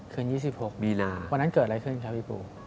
๒๖มีนาวันนั้นเกิดอะไรขึ้นครับพี่ปู